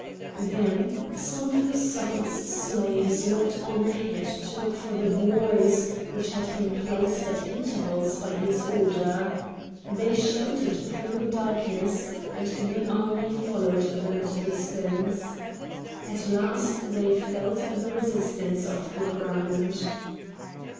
Then some of the Suffet's slaves went on ahead to look for the buoys which had been placed at intervals by his order. They shouted through the darkness, and the army followed them at a distance. At last they felt the resistance of the ground.